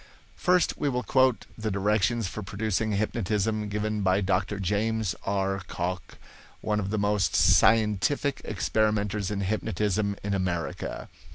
First we will quote the directions for producing hypnotism given by Dr. James R. Cocke, one of the most scientific experimenters in hypnotism in America.